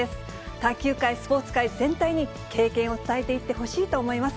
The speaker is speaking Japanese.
卓球界、スポーツ界全体に経験を伝えていってほしいと思います。